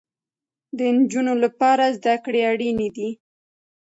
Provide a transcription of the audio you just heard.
د انجونو لپاره زده کړې اړينې دي